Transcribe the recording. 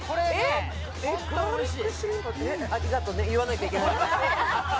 ありがとね、言わなきゃいけない。